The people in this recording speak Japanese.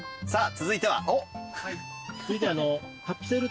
続いては。